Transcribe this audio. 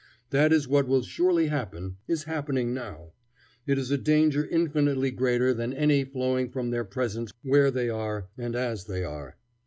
That is what will surely happen, is happening now. It is a danger infinitely greater than any flowing from their presence where they are, and as they are.